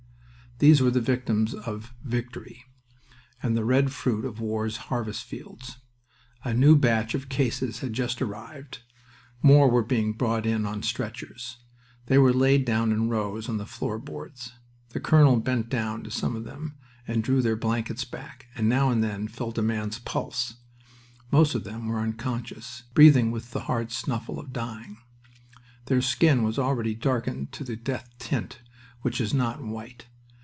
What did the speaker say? These were the victims of "Victory" and the red fruit of war's harvest fields. A new batch of "cases" had just arrived. More were being brought in on stretchers. They were laid down in rows on the floor boards. The colonel bent down to some of them and drew their blankets back, and now and then felt a man's pulse. Most of them were unconscious, breathing with the hard snuffle of dying men. Their skin was already darkening to the death tint, which is not white.